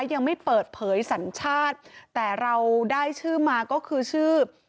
ยังไม่เปิดเผยสัญชาติแต่เราได้ชื่อมาก็คือชื่อ